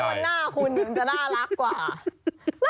หน้าคุณมันจะน่ารักกว่า